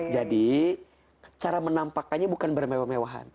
jadi cara menampakannya bukan bermewah mewahan